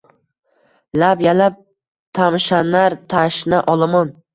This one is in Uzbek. Lab yalab tamshanar tashna olomon.